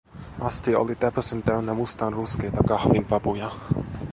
Astia oli täpösen täynnä mustanruskeita kahvinpapuja.